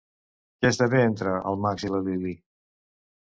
Què esdevé entre el Max i la Lily?